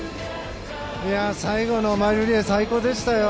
最後のマイルリレー最高でしたよ。